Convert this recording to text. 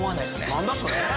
何だそれ！？